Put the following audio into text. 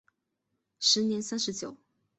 时年三十九。